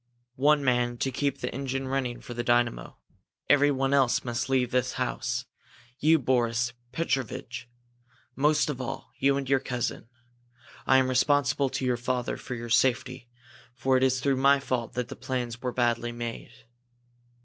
"One man, to keep the engine running for the dynamo. Everyone else must leave this house. You, Boris Petrovitch, most of all you and your cousin. I am responsible to your father for your safety for it is through my fault that the plans were badly made."